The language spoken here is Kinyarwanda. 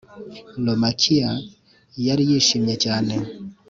romaquia yari yishimye cyane